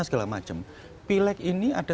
segala macam pileg ini ada